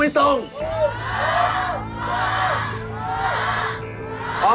เอาเปิดเป็น